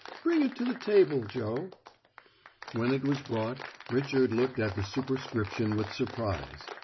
"Bring it to the table, Joe." When it was brought, Richard looked at the superscription with surprise.